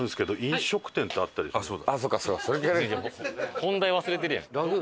本題忘れてるやん。